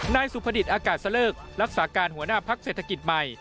นายสุภดิษฐ์อากาศสเลิกรักษาการหัวหน้าพักเศรษฐกิจใหม่